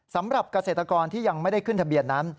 สำหรับเกษตรกรที่ยังไม่ได้ขึ้นทะเบียนนั้น